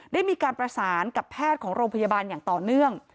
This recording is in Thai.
ได้มีการประสานกับแพทย์ของโรงพยาบาลอย่างต่อเนื่อง